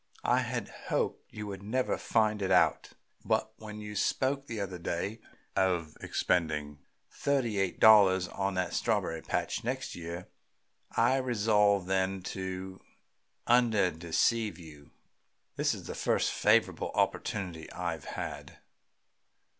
I had hoped you would never find it out, but when you spoke the other day of expending thirty eight dollars on that strawberry patch next year, I resolved then to undeceive you. This is the first favorable opportunity I have had."